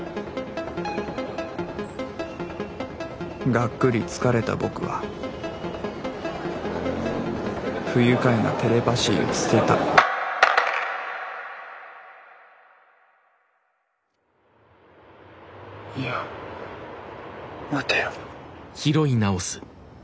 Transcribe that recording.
がっくり疲れた僕は不愉快なテレパ椎を捨てたいや待てよ。